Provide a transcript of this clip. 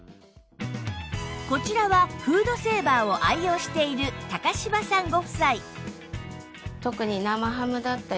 こちらはフードセーバーを愛用している柴さんご夫妻